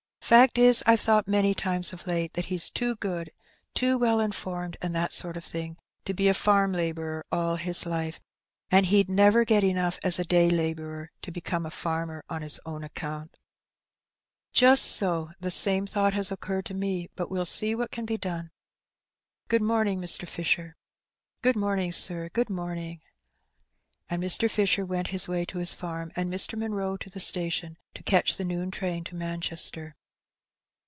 Fact is, I've thought many times of late that he's too good — too well informed, and that kind of thing — to be a farm labourer all his life, and he'd never get enough as a day labourer to become a farmer on his own account." An Accident. 247 ^^ Just so; the same thought has occurred to me, but we'll see what can be done. Good morning, Mr. Fisher." ^^Good morning, sir, good morning.^' And Mr. Fisher went his way to his farm, and Mr. Munroe to the station, to catch the noon train to Manchester.